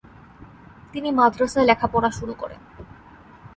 তিনি মাদ্রাসায় লেখাপড়া শুরু করেন।